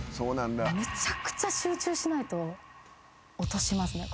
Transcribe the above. めちゃくちゃ集中しないと落としますね